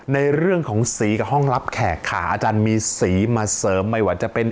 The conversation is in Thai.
ในเรื่องของสีกับห้องรับแขกขาอาจารย์มีสีมาเสริมไม่ว่าจะเป็น